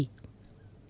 để gìn dữ